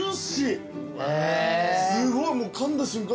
すごいかんだ瞬間